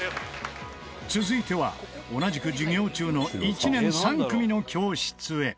続いては同じく授業中の１年３組の教室へ